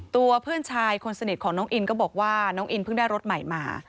ตัวเพื่อนชายคนสนิทของน้องอินก็บอกว่าน้องอินเพิ่งได้รถใหม่มา